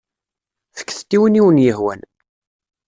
Fket-t i win i wen-yehwan.